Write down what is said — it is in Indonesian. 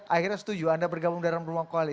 akhirnya setuju anda bergabung dalam ruang koalisi